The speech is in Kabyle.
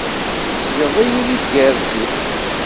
Tḥesleḍ-iyi di tgersi.